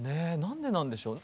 何でなんでしょう。